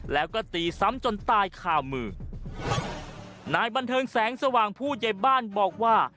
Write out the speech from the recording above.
แล้วก็ตีซ้ำจนตายคามือนายบันเทิงแสงสว่างผู้ใหญ่บ้านบอกว่า